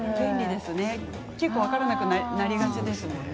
結構、分からなくなりますもんね。